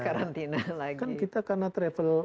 karantina lah kan kita karena travel